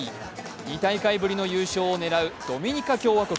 ２大会ぶりの優勝を狙うドミニカ共和国。